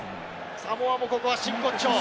サモアもここは真骨頂。